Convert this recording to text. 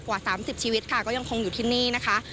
กว่า๓๐ชีวิตค่ะก็ยังคงอยู่ที่นี่นะคะ